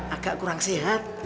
agak kurang sehat